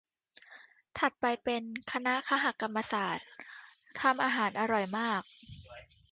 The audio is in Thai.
ถัดไปเป็นคณะคหกรรมศาสตร์ ทำอาหารอร่อยมาก